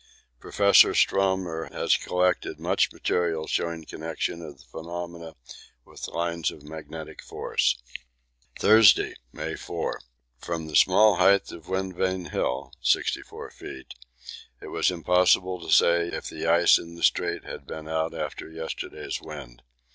Professor Störmer has collected much material showing connection of the phenomenon with lines of magnetic force. Thursday, May 4. From the small height of Wind Vane Hill (64 feet) it was impossible to say if the ice in the Strait had been out after yesterday's wind.